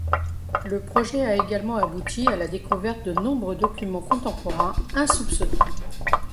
Le projet a également abouti à la découverte de nombreux documents contemporains insoupçonnées.